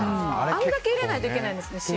あんだけ入れないといけないんですね、塩。